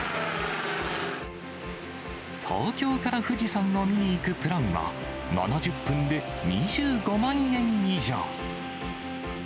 東京から富士山を見に行くプランは、７０分で２５万円以上。